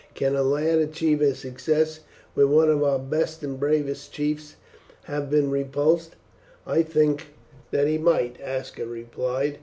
"Can a lad achieve a success where one of our best and bravest chiefs has been repulsed?" "I think that he might," Aska replied.